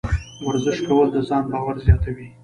ورزش کول د ځان باور زیاتوي.